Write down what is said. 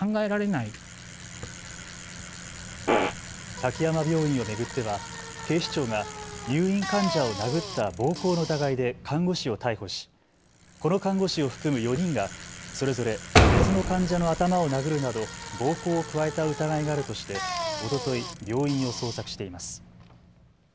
滝山病院を巡っては警視庁が入院患者を殴った暴行の疑いで看護師を逮捕しこの看護師を含む４人がそれぞれ別の患者の頭を殴るなど暴行を加えた疑いがあるとしておととい病院を捜索しています。